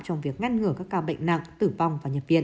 trong việc ngăn ngừa các ca bệnh nặng tử vong và nhập viện